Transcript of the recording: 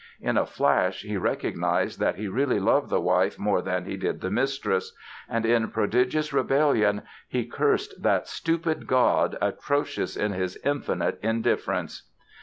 In a flash he recognized that he really loved the wife more than he did the mistress; and in prodigious rebellion he cursed "that stupid God, atrocious in his infinite indifference".